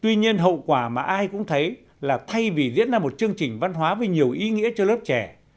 tuy nhiên hậu quả mà ai cũng thấy là thay vì diễn ra một chương trình văn hóa với nhiều ý nghĩa cho lớp trẻ